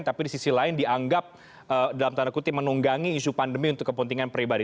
tapi di sisi lain dianggap dalam tanda kutip menunggangi isu pandemi untuk kepentingan pribadi